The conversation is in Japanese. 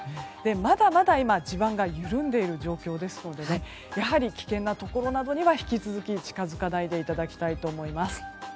まだまだ今地盤が緩んでいる状況ですのでやはり危険なところなどには引き続き近づかないでいただきたいと思います。